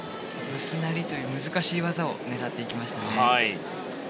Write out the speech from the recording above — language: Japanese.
ブスナリという難しい技を狙っていましたね。